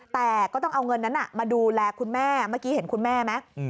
แต่ก็ต้องเอาเงินนั้นมาดูแลคุณแม่เมื่อกี้เห็นคุณแม่ไหม